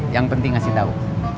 yang penting kasih tahu